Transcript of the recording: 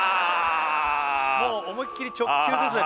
もう思いっきり直球ですね